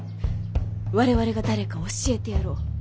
我々が誰か教えてやろう。